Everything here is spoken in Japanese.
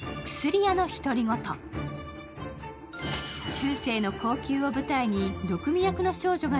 中世の後宮を舞台に、毒味役の少女が